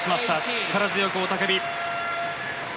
力強く雄たけび。